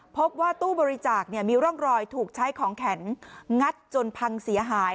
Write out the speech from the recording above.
พบว่าตู้บริจาคมีร่องรอยถูกใช้ของแข็งงัดจนพังเสียหาย